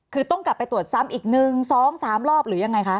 คือต้องกลับไปตรวจซ้ำอีกหนึ่งสองสามรอบหรือยังไงคะ